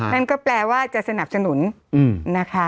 นั่นก็แปลว่าจะสนับสนุนนะคะ